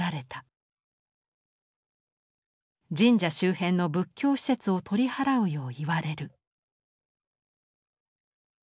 「神社周辺の仏教施設を取り払うよう言われる」。